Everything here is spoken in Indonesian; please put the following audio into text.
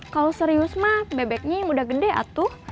kalau serius mah bebeknya yang udah gede atuh